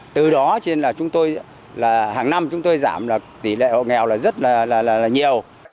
từ đó cho nên là chúng tôi là hàng năm chúng tôi giảm là tỷ lệ hộ nghèo là rất là nhiều